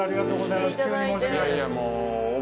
いやいやもう。